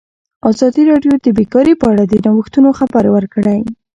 ازادي راډیو د بیکاري په اړه د نوښتونو خبر ورکړی.